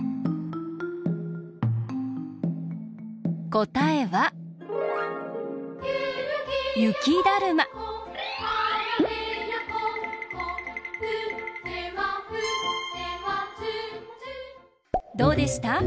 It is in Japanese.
こたえはどうでした？